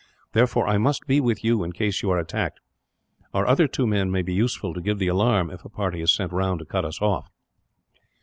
Therefore, I must be with you, in case you are attacked. Our other two men may be useful, to give the alarm, if a party is sent round to cut us off."